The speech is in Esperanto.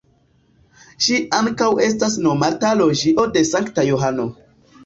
Ĝi ankaŭ estas nomata Loĝio de Sankta Johano.